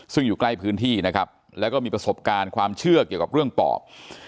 ซึ่งอยู่ใกล้พื้นที่นะครับแล้วก็มีประสบการณ์ความเชื่อเกี่ยวกับเรื่องปอบ